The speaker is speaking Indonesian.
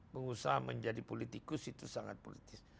pengusaha menjadi politikus itu sangat politis